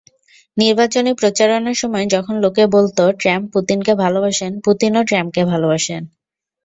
নির্বাচনী প্রচারণার সময় যখন লোকে বলত, ট্রাম্প পুতিনকে ভালোবাসেন, পুতিনও ট্রাম্পকে ভালোবাসেন।